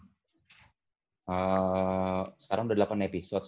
sekarang udah delapan episode